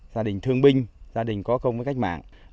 gia đình thương binh gia đình có công với cách mạng